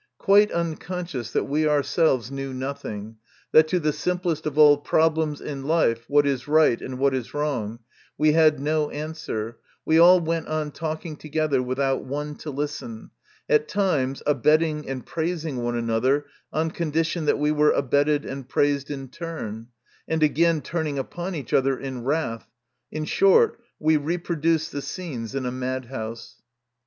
Quite unconscious that we ourselves knew nothing, that to the simplest of all problems in life what is right, and what is wrong we had no answer, we all went on talking together without one to listen, at times abetting and praising one another on condition that we were abetted and praised in turn, and again turning upon each other in wrath in short, we reproduced the scenes in a madhouse.